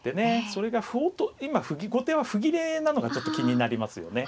それが歩を今後手は歩切れなのがちょっと気になりますよね。